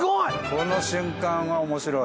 この瞬間は面白い！